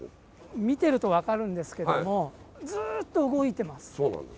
見てると分かるんですけどもずっと動いてます。